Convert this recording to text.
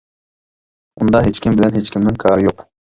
ئۇندا ھېچكىم بىلەن ھېچكىمنىڭ كارى يوق.